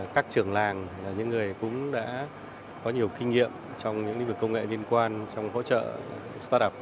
các trưởng làng là những người cũng đã có nhiều kinh nghiệm trong những lĩnh vực công nghệ liên quan trong hỗ trợ start up